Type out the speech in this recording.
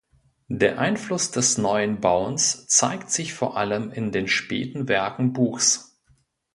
Der Einfluss des Neuen Bauens zeigt sich vor allem in den späten Werken Buchs.